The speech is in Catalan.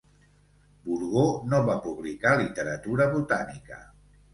Bourgeau no va publicar literatura botànica.